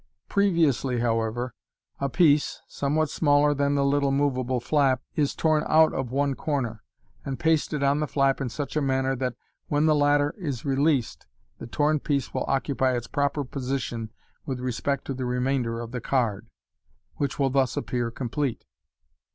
Previously, however, a piece, somewhat smaller than the little moveable flap, is torn out of one cor ner, and pasted on the flap in such a manner that, when the latter is released, the torn piece will occupy its proper position with respect to the remainder of the card, which will thus appear complete.